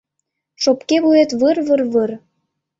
Шопке вует выр-выр-выр